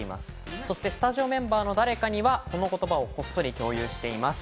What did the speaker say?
そしてスタジオメンバーの誰かに、この言葉を共有しています。